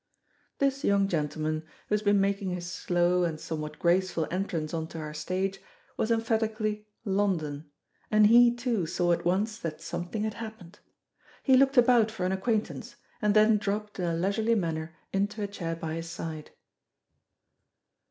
This young gentleman, who has been making his slow and somewhat graceful entrance on to our stage, was emphatically "London," and he too saw at once that something had happened. He looked about for an acquaintance, and then dropped in a leisurely manner into a chair by his side.